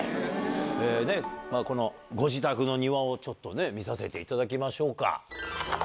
このご自宅の庭をちょっとね、見させていただきましょうか。